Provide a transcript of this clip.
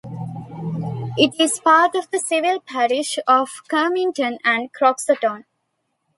It is part of the civil parish of Kirmington and Croxton.